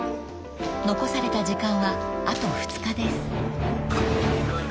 ［残された時間はあと２日です］